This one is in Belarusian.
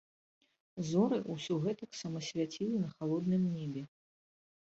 Зоры ўсё гэтаксама свяцілі на халодным небе.